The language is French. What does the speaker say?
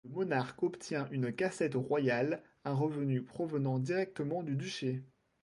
Le monarque obtient une cassette royale, un revenu provenant directement du duché.